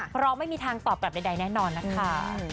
เพราะไม่มีทางตอบกลับใดแน่นอนนะคะ